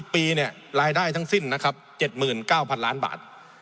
๓๐ปีรายได้ทั้งสิ้น๗๙๐๐๐ล้านบาท